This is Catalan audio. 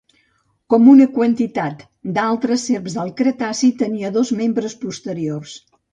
Com una quantitat d'altres serps del cretaci, tenia dos membres posteriors.